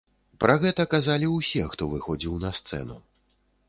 Пра гэта казалі ўсе, хто выходзіў на сцэну.